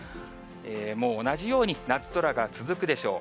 もう同じように、夏空が続くでしょう。